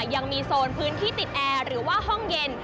ยังมีโซนพื้นที่ติดแอร์หรือว่าห้องเย็น